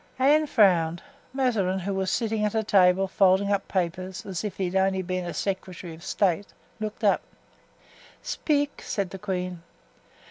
Anne frowned. Mazarin, who was sitting at a table folding up papers, as if he had only been a secretary of state, looked up. "Speak," said the queen.